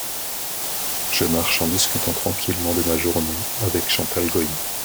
Je marche en discutant tranquillement de ma journée… avec Chantal Goya.